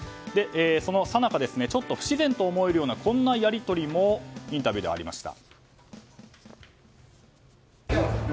そのさなか、ちょっと不自然と思えるこんなやり取りもインタビューではありました。